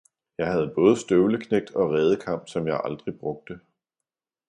Jeg havde både støvleknægt og redekam, som jeg aldrig brugte!